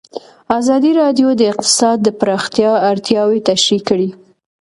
ازادي راډیو د اقتصاد د پراختیا اړتیاوې تشریح کړي.